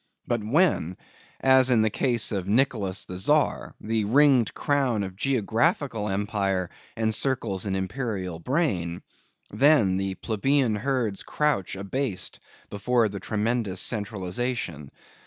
But when, as in the case of Nicholas the Czar, the ringed crown of geographical empire encircles an imperial brain; then, the plebeian herds crouch abased before the tremendous centralization.